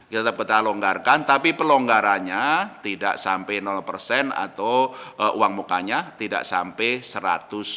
kita betah longgarkan tapi pelonggarannya tidak sampai persen atau uang mukanya tidak sampai seratus